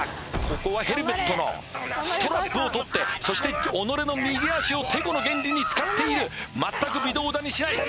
ここはヘルメットのストラップを取ってそして己の右足をてこの原理に使っている全く微動だにしない